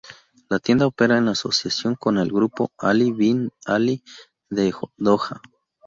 La tienda opera en asociación con el Grupo Ali Bin Ali de Doha.